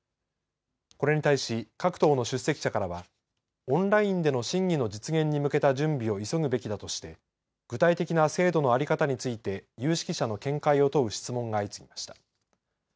これに対し各党の出席者からはオンラインでの審議の実現に向けた準備を急ぐべきだとして具体的な制度の在り方について有識者の見解を問う質問が相次ぎました。